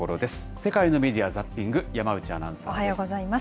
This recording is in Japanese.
世界のメディア・ザッピング、山内アナウンサーです。